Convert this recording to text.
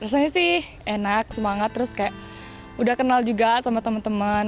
rasanya sih enak semangat terus kayak udah kenal juga sama teman teman